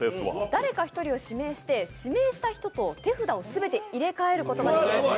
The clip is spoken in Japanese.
誰か１人を指名して、指名した人と手札を全て入れ替えることができます。